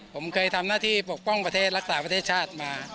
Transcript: ผมเคยทำหน้าที่ปกป้องประเทศรักษาประเทศชาติมา